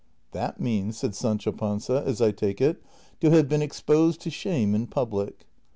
'" That means," said Sancho Panza, " as I take it, to have been exposed to shame in public."